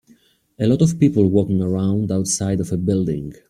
A lot of people walking around outside of a building.